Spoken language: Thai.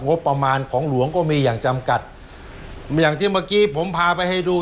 งบประมาณของหลวงก็มีอย่างจำกัดอย่างที่เมื่อกี้ผมพาไปให้ดู